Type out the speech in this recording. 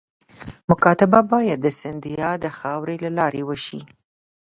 مکاتبه باید د سیندهیا د خاوري له لارې وشي.